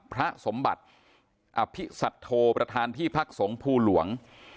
พระสมบัติอภิสัตโธประธานที่พักสงภูหลวง